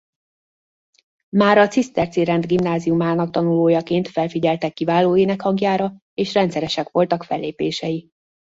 Már a ciszterci rend gimnáziumának tanulójaként felfigyeltek kiváló énekhangjára és rendszeresek voltak fellépései.